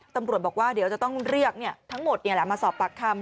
ตำรวจบอกว่าเดี๋ยวจะต้องเรียกทั้งหมดมาสอบปากคำ